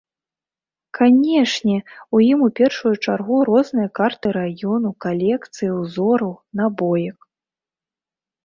Канешне, у ім у першую чаргу розныя карты раёну, калекцыі ўзораў, набоек.